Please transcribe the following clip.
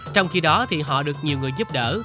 trong khi đó thì họ được nhiều người giúp đỡ